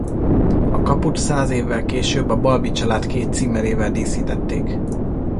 A kaput száz évvel később a Balbi család két címerével díszítették.